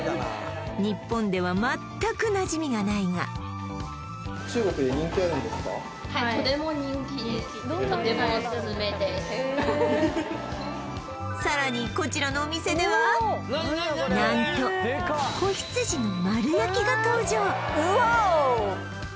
日本では全くなじみがないがさらにこちらのお店では何とが登場内